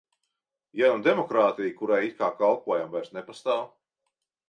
Ja nu demokrātija, kurai it kā kalpojam, vairs nepastāv?